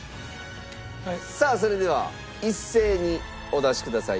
さあそれでは一斉にお出しください。